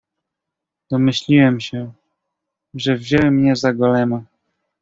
"Domyśliłem się, że wzięły mnie za Golema."